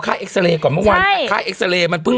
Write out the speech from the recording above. เอ็กซาเรย์ก่อนเมื่อวานแต่ค่าเอ็กซาเรย์มันเพิ่ง